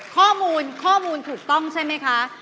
ข้อมูลถูกต้องใช่ไหมคะ